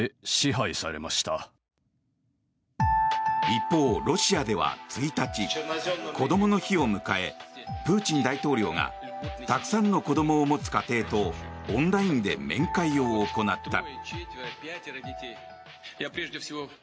一方、ロシアでは１日、こどもの日を迎えプーチン大統領がたくさんの子供を持つ家庭とオンラインで面会を行った。